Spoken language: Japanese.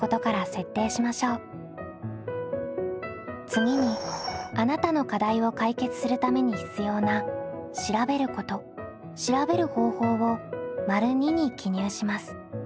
次にあなたの課題を解決するために必要な「調べること」「調べる方法」を②に記入します。